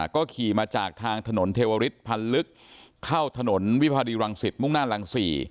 ก็ขี่มาจากทางถนนเทวริสพันธ์ลึกเข้าถนนวิภารีรังสิตมุ่งหน้ารัง๔